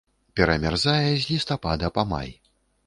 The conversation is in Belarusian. Перамярзае з лістапада па май.